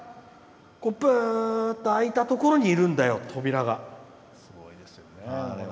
ぶーっと開いたところにいるんだよ、扉が。